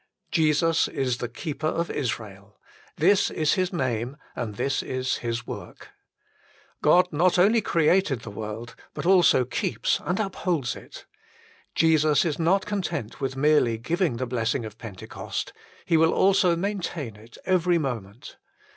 Jesus is the Keeper of Israel. This is His name and this is His work. God not only created the world but also keeps and upholds it. Jesus is not content with merely giving the blessing of Pentecost : He will also maintain it every moment.